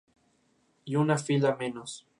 Y una fila menos.